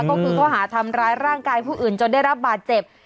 ก็คือข้อหาทำร้ายร่างกายผู้อื่นจนได้รับบาดเจ็บ